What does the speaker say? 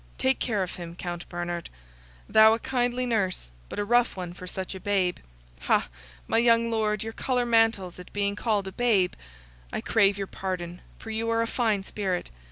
Take care of him, Count Bernard; thou a kindly nurse, but a rough one for such a babe. Ha! my young Lord, your colour mantles at being called a babe! I crave your pardon, for you are a fine spirit.